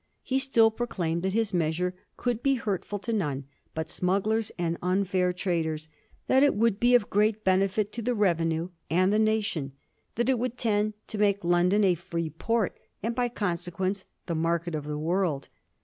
He still proclaimed that his measure could be hurtful to none but smugglers and unfidr traders, that it would be of great benefit to the revenue and the nation, that it would tend ' to make London a firee port, and by consequence the market of the world.'